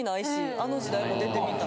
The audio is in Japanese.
あの時代も出てみたい。